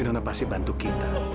nona pasti bantu kita